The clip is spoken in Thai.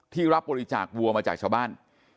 รับบริจาควัวมาจากชาวบ้าน